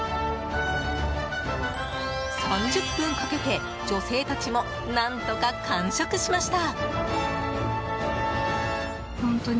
３０分かけて女性たちも何とか完食しました。